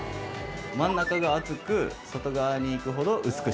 真ん中が厚く外側にいくほど薄くしています。